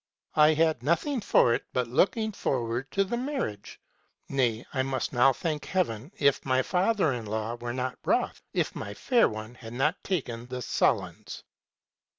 I had nothing for "it but looking forward to the marriage ; nay, I must now thank Heaven if my father in law were not wroth, if my fair one had not taken the sullens.